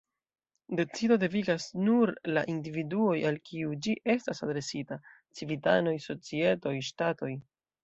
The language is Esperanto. Decido devigas nur la "individuoj", al kiu ĝi estas adresita: civitanoj, societoj, ŝtatoj.